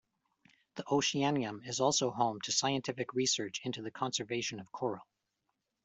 The Oceanium is also home to scientific research into the conservation of coral.